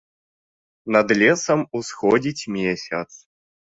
Над лесам усходзіць месяц.